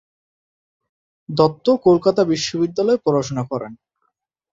দত্ত কলকাতা বিশ্ববিদ্যালয়ে পড়াশোনা করেন।